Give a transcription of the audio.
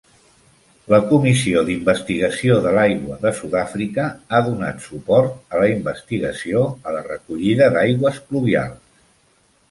La Comissió d'Investigació de l'Aigua de Sud-àfrica ha donat suport a la investigació a la recollida d'aigües pluvials.